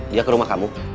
dia ke rumah kamu